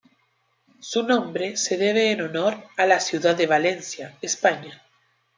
Su nombre se debe en honor a la ciudad de Valencia, España.